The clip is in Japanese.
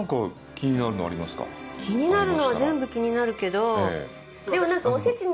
気になるのは全部気になるけどでもなんか。